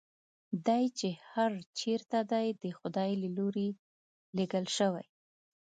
دی چې هر چېرته دی د خدای له لوري لېږل شوی.